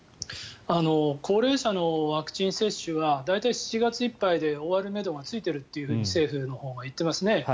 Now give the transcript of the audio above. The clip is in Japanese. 高齢者のワクチン接種は大体、７月いっぱいで終わるめどがついていると政府のほうが言ってますね。